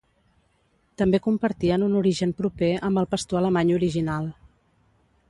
També compartien un origen proper amb el pastor alemany original.